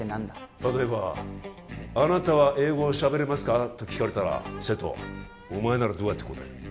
例えばあなたは英語を喋れますかと聞かれたら瀬戸お前ならどうやって答える？